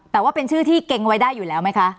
แต่ว่าเป็นชื่อที่เกรงไว้ได้อยู่แล้วไหมคะ